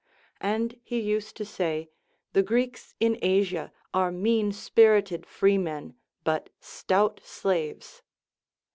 And he used to say. The Greeks in Asia are mean spirited freemen, but stout slaves.